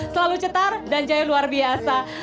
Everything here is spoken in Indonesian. selalu cetar dan jaya luar biasa